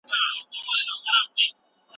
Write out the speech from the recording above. کوم فعالیتونه د لنډې وقفې لپاره مناسب دي؟